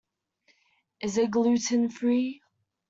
Is it gluten-free?